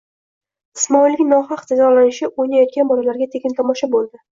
Ismoilning nohaq jazolanishi o'ynayotgan bolalarga tekin tomosha bo'ldi.